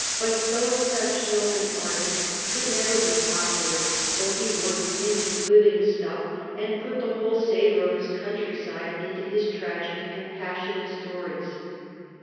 But so exceptional an artist could never be popular, though he worked in living stuff and put the whole savour of his countryside into his tragic and passionate stories.